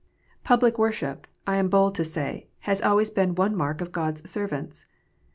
279 Public worship, I am bold to say, has .always been one mark of God s servants.